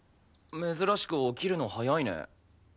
珍しく起きるの早いね。